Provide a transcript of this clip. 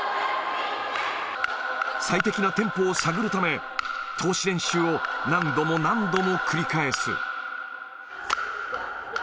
最適なテンポを探るため、通し練習を何度も何度も繰り返す。